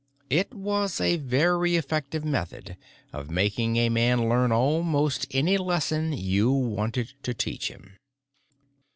It was a very effective method of making a man learn almost any lesson you wanted to teach him.